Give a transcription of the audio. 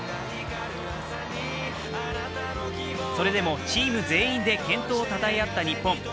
それでもチーム全員で健闘をたたえ合った日本。